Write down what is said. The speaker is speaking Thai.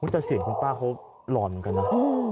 แต่เสียงของป้าเขาร้อนกันนะ